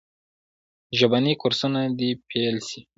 ژبني کورسونه دي پیل سي.